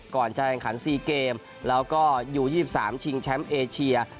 ก่อนจะแข่งขัน๔เกมแล้วก็ยู๒๓ชิงแชมป์เอเชีย